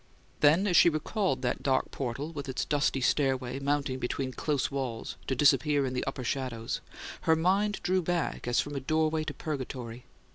Then, as she recalled that dark portal, with its dusty stairway mounting between close walls to disappear in the upper shadows, her mind drew back as from a doorway to Purgatory.